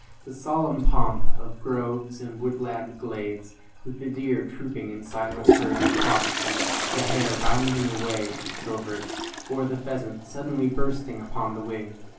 The solemn pomp of groves and woodland glades, with the deer trooping in silent herds across them; the hare, bounding away to the covert; or the pheasant, suddenly bursting upon the wing.